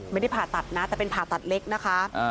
ไม่ได้ผ่าตัดนะแต่เป็นผ่าตัดเล็กนะคะ